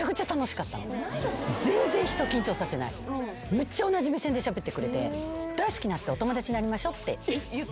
めっちゃ同じ目線でしゃべってくれて大好きになって「お友達になりましょ」って。